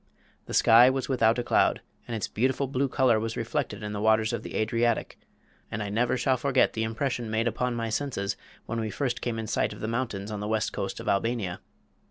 The sky was without a cloud, and its beautiful blue color was reflected in the waters of the Adriatic, and I never shall forget the impression made upon my senses when we first came in sight of the mountains on the west coast of Albania.